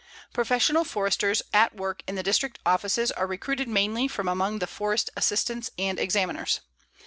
Professional Foresters at work in the District offices are recruited mainly from among the Forest Assistants and Examiners.